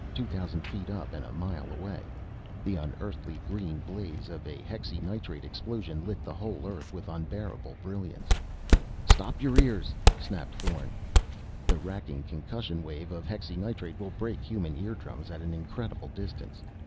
Two thousand feet up and a mile away, the unearthly green blaze of a hexynitrate explosion lit the whole earth with unbearable brilliance. "Stop your ears!" snapped Thorn. The racking concussion wave of hexynitrate will break human eardrums at an incredible distance.